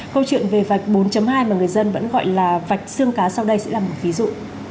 câu chuyện về vạch bốn hai mà người dân vẫn gọi là vạch xương cá sau đây sẽ là một ví dụ